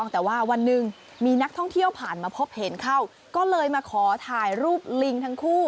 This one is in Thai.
แต่ว่าวันหนึ่งมีนักท่องเที่ยวผ่านมาพบเห็นเข้าก็เลยมาขอถ่ายรูปลิงทั้งคู่